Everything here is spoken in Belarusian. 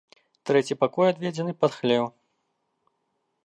Трэці пакой адведзены пад хлеў.